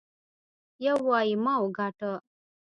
يو وايي ما وګاټه.